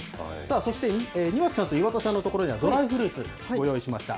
そして、庭木さんと岩田さんのところにはドライフルーツ、ご用意しました。